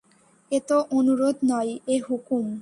এ তো অনুরোধ নয়, এ হুকুম।